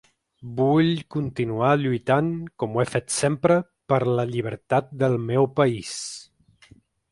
Vull continuar lluitant, com ho he fet sempre, per la llibertat del meu país.